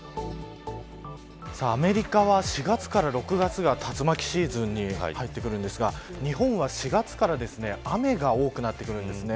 アメリカは、４月から６月が竜巻シーズンに入ってくるんですが日本は４月から雨が多くなってくるんですね。